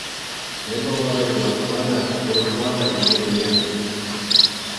Эпӗ вара юратма та, пурӑнма та ӗлкӗреймен.